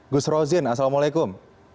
gus rozin assalamualaikum